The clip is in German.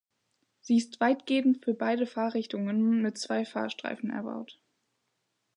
Sie ist weitgehend für beide Fahrtrichtungen mit zwei Fahrstreifen erbaut.